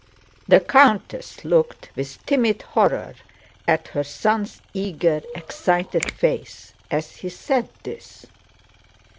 The countess looked with timid horror at her son's eager, excited face as he said this.